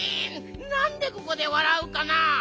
なんでここでわらうかな？